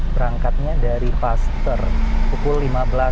berangkatnya dari pulpaster pukul lima belas tiga puluh